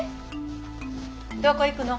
どこ行くの？